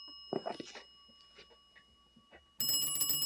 It appears that Wallace did not leave the Internet marketing business entirely.